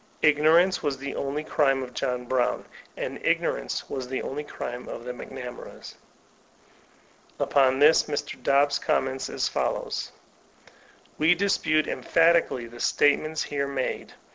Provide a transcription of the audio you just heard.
Ignor ance was the only crime of John Brown, and ignorance was the only crime of the McNamaras.'* Upon this Mr. Dobbs comments as follows: ''We dispute en^hatically the statements here made.